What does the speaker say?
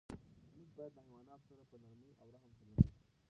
موږ باید له حیواناتو سره په نرمۍ او رحم چلند وکړو.